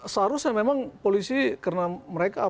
seharusnya memang polisi karena mereka